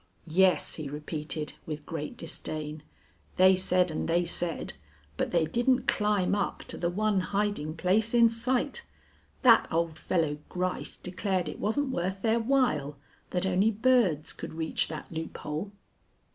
"Yes," he repeated, with great disdain, "they said and they said; but they didn't climb up to the one hiding place in sight. That old fellow Gryce declared it wasn't worth their while; that only birds could reach that loophole."